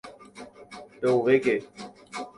¡Pe'uvéke!